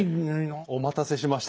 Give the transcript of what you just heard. お待たせしました。